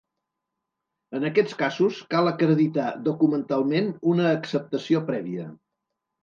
En aquests casos, cal acreditar documentalment una acceptació prèvia.